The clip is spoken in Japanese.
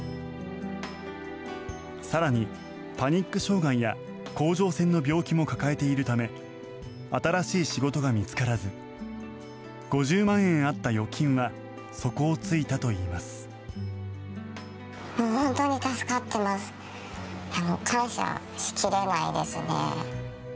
更に、パニック障害や甲状腺の病気も抱えているため新しい仕事が見つからず５０万円あった預金は底を突いたといいます。